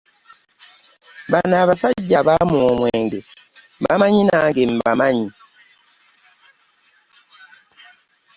Bano abasajja abamuwa omwenge bammanyi nange mbamanyi?